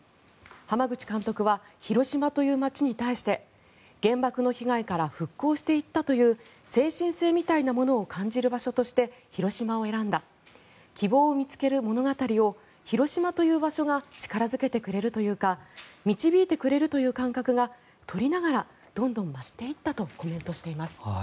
濱口監督は広島という街に対して原爆の被害から復興していったという精神性みたいなものを感じる場所として広島を選んだ希望を見つける物語を広島という場所が力付けてくれるというか導いてくれるという感覚が撮りながらどんどん増していったとコメントしています。